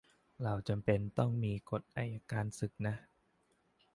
เราจำเป็นต้องมีกฎอัยการศึกนะ